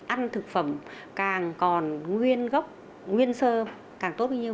ăn thực phẩm càng còn nguyên gốc nguyên sơ càng tốt như như